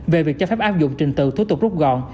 về việc cho phép áp dụng trình tự thủ tục rút gọn